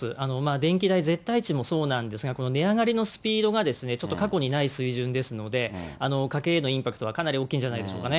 電気代絶対値もそうなんですが、この値上がりのスピードがちょっと過去にない水準ですので、家計へのインパクトはかなり大きいんじゃないでしょうかね。